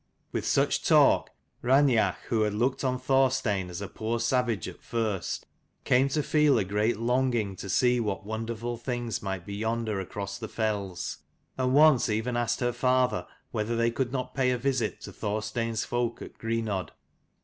With such talk, Raineach, who had looked on Thorstein as a poor savage at first, came to feel a great longing to see what wonderful things might be yonder across the fells: and once even asked her father whether they could not pay a visit to Thorstein's folk at Greenodd.